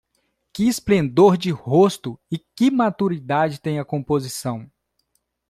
Que esplendor de rosto e que maturidade tem a composição?